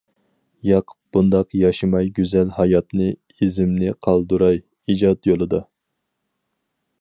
ياق، بۇنداق ياشىماي گۈزەل ھاياتنى، ئىزىمنى قالدۇراي ئىجاد يولىدا.